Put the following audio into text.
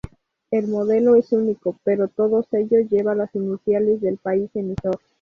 El modelo es único, pero todo sello lleva las iniciales del país emisor.